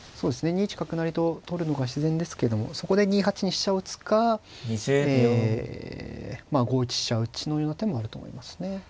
２一角成と取るのが自然ですけどもそこで２八に飛車を打つか５一飛車打のような手もあると思いますね。